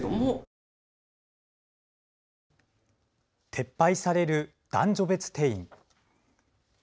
撤廃される男女別定員。